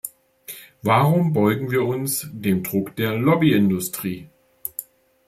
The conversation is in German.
Warum beugen wir uns dem Druck der Lobbyindustrie?